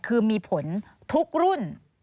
คือมีผลทุกรุ่น